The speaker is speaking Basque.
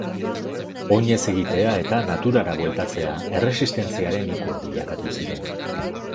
Oinez egitea eta naturara bueltatzea erresistentziaren ikur bilakatu ziren.